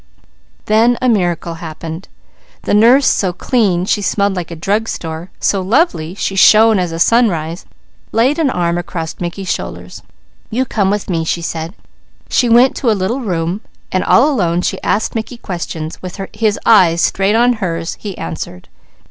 Then a miracle happened. The nurse, so clean she smelled like a drug store, so lovely she shone as a sunrise, laid an arm across Mickey's shoulders. "You come with me," she said. She went to a little room, and all alone she asked Mickey questions; with his eyes straight on hers, he answered.